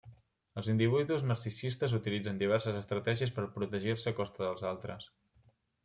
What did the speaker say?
Els individus narcisistes utilitzen diverses estratègies per protegir-se a costa dels altres.